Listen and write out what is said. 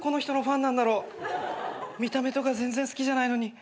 見た目とか全然好きじゃないのに。